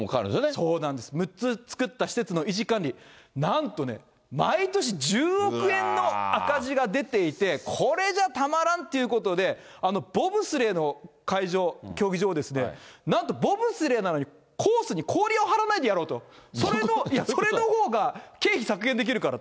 そうなんです、６つ作ったうちの施設の維持管理、なんとね、毎年１０億円の赤字が出ていて、これじゃたまらんということで、ボブスレーの会場、競技場をなんとボブスレーなのにコースに氷を張らないでやろうと、それのほうが経費削減できるからと。